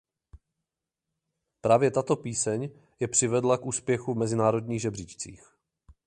Právě tato píseň je přivedla k úspěchu v mezinárodních žebříčcích.